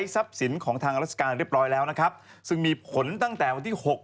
ทรัพย์สินของทางราชการเรียบร้อยแล้วนะครับซึ่งมีผลตั้งแต่วันที่หก